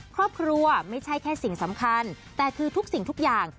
ครอบครัวไม่ใช่แค่สิ่งสำคัญแต่คือทุกสิ่งทุกอย่าง